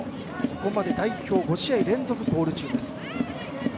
ここまで代表５試合連続ゴール中です。